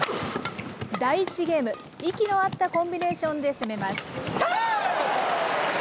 第１ゲーム、息の合ったコンビネーションで攻めます。